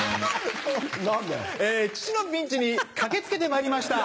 父のピンチに駆け付けてまいりました。